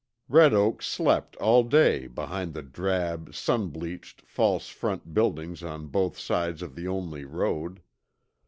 Red Oak slept all day behind the drab, sun bleached, false front buildings on both sides of the only road.